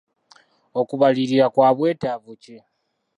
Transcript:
Okubalirira kwa bwetaavu ki?